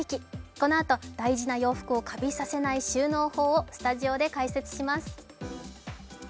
このあと、大事な洋服をカビさせない収納法をスタジオで解説します。